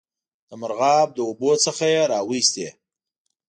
د مرغاب له اوبو څخه یې را وایستی.